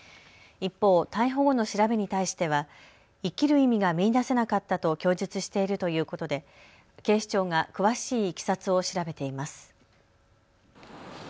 一方、逮捕後の調べに対しては生きる意味が見いだせなかったと供述しているということで警視庁が詳しいいきさつを調べています。